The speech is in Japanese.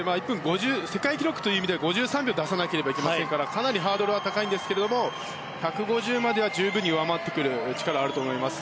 世界記録という意味では５３秒を出さないといけないからかなりハードルは高いんですけれども１５０までは十分に上回ってくる力はあると思います。